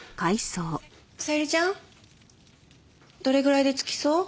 小百合ちゃんどれぐらいで着きそう？